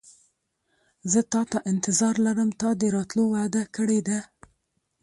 زه تاته انتظار لرم تا د راتلو وعده کړې ده.